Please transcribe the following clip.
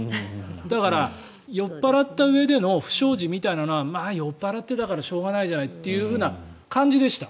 だから酔っ払ったうえでの不祥事みたいなのはまあ、酔っ払ってたからしょうがないじゃないという感じでした。